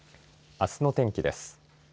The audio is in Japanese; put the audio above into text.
あすの天気です。